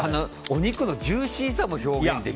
お肉のジューシーさも表現できるって。